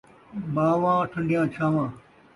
مان٘واں ، ٹھڈیاں چھان٘واں